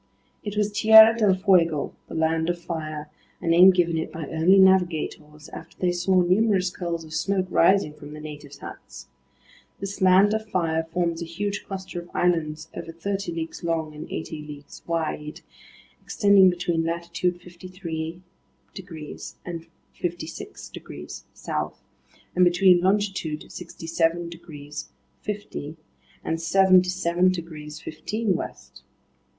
It was Tierra del Fuego, the Land of Fire, a name given it by early navigators after they saw numerous curls of smoke rising from the natives' huts. This Land of Fire forms a huge cluster of islands over thirty leagues long and eighty leagues wide, extending between latitude 53 degrees and 56 degrees south, and between longitude 67 degrees 50' and 77 degrees 15' west.